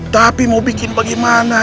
tapi mau bikin bagaimana